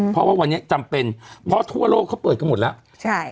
เพราะว่าวันนี้จำเป็นเพราะทั่วโลกเขาเปิดกันหมดแล้วใช่